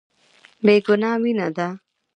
بې ګناه وينه ده.